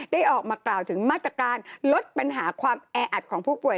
ได้ออกมากล่าวถึงมาตรการลดปัญหาความแออัดของผู้ป่วย